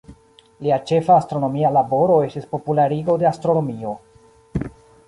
Lia ĉefa astronomia laboro estis popularigo de astronomio.